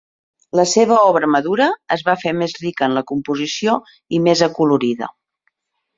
La seva obra madura es va fer més rica en la composició i més acolorida.